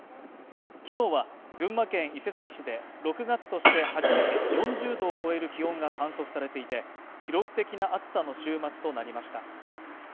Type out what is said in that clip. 昨日は、群馬県伊勢崎市で６月として初めて４０度を超える気温が観測されていて、記録的な暑さの週末となりました。